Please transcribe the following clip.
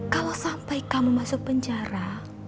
kalau sampai kamu masuk penjara